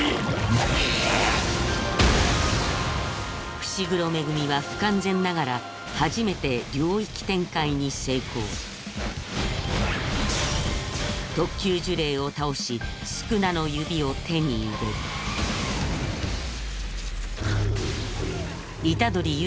伏黒恵は不完全ながら初めて領域展開に成功特級呪霊を倒し宿儺の指を手に入れる虎杖悠